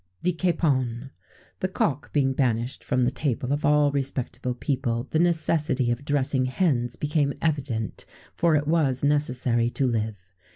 [XVII 11] THE CAPON. The cock being banished from the table of all respectable people, the necessity of dressing hens became evident, for it was necessary to live.